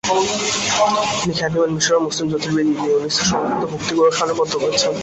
তিনি খ্যাতিমান মিশরীয় মুসলিম জ্যোতির্বিদ ইবনে ইউনূসের সমস্ত ভুক্তিগুলো সারণীবদ্ধ করেছেন।